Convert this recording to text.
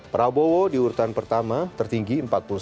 prabowo di urutan pertama tertinggi empat puluh sembilan satu